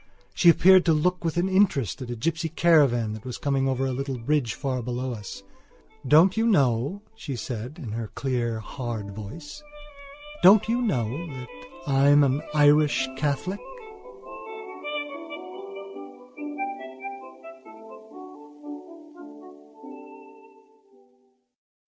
She appeared to look with interest at a gypsy caravan that was coming over a little bridge far below us. "Don't you know," she said, in her clear hard voice, "don't you know that I'm an Irish Catholic?"